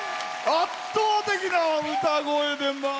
圧倒的な歌声で。